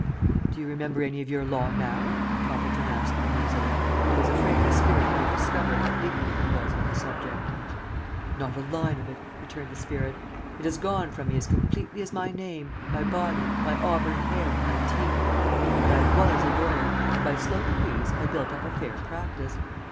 "Do you remember any of your law now?" Toppleton asked uneasily, for he was afraid the spirit might discover how ignorant he was on the subject. "Not a line of it," returned the spirit. "It has gone from me as completely as my name, my body, my auburn hair and my teeth. But I was a lawyer, and by slow degrees I built up a fair practice.